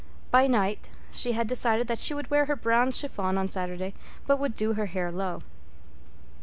By night she had decided that she would wear her brown chiffon on Saturday, but would do her hair low.